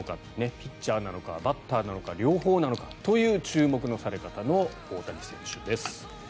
ピッチャーなのかバッターなのか両方なのかと注目のされ方の大谷選手です。